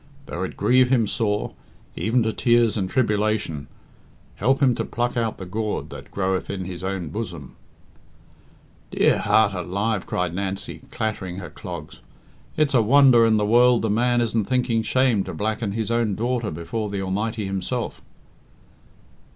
Though it grieve him sore, even to tears and tribulation, help him to pluck out the gourd that groweth in his own bosom " "Dear heart alive!" cried Nancy, clattering her clogs, "it's a wonder in the world the man isn't thinking shame to blacken his own daughter before the Almighty Himself."